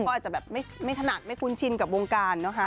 เขาอาจจะแบบไม่ถนัดไม่คุ้นชินกับวงการนะคะ